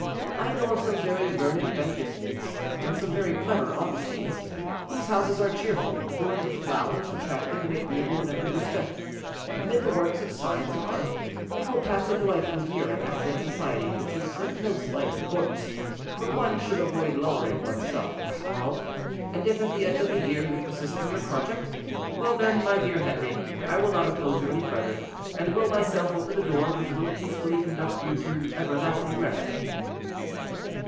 I know of some very learned Benedictines, and some very clever Augustines, whose houses are cheerful, adorned with flowers, attractive, and agreeable in every respect. Amid the works of science and art you will pass a delightful year, in excellent society, which is of no slight importance, for one should avoid lowering one's self in this world; and if at the end of the year you persist in your project, well, then, my dear Henri, I will not oppose you any further, and will myself open the door which will peacefully conduct you to everlasting rest."